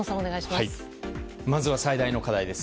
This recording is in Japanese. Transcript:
まずは最大の課題です。